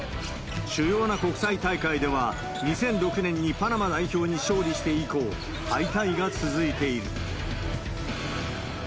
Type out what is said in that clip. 主要な国際大会では、２００６年にパナマ代表に勝利して以降、敗退が続いている。